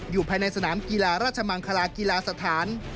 อยู่ในสนามกีฬาราชมังคลากีฬาสถาน